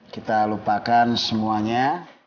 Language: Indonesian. kita lupakan semuanya